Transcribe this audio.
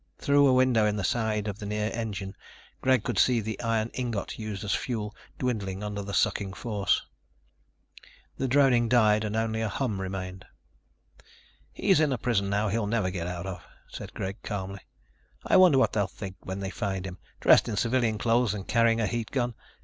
Through a window in the side of the near engine, Greg could see the iron ingot used as fuel dwindling under the sucking force. The droning died and only a hum remained. "He's in a prison now he'll never get out of," said Greg calmly. "I wonder what they'll think when they find him, dressed in civilian clothes and carrying a heat gun.